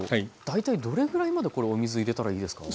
大体どれぐらいまでお水入れたらいいですか？